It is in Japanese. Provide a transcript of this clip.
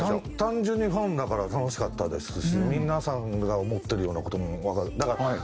単純にファンだから楽しかったですし皆さんが思ってるような事もわかる。